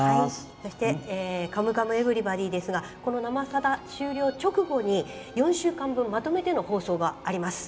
そして「カムカムエヴリバディ」ですがこの「生さだ」終了直後に４週間分まとめての放送があります。